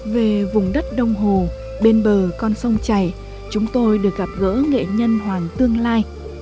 về vùng đất đông hồ bên bờ con sông chảy chúng tôi được gặp gỡ nghệ nhân hoàng tương lai